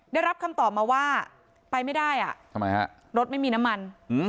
ได้รับคำตอบมาว่าไปไม่ได้รถไม่มีน้ำมัน